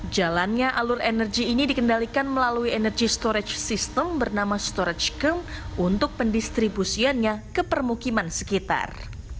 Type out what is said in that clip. jalannya alur energi ini dikendalikan melalui energy storage system bernama storage curm untuk pendistribusiannya ke permukiman sekitar